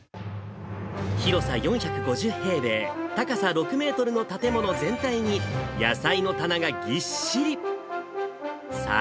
広さ４５０平米、高さ６メートルの建物全体に、野菜の棚がぎっしり。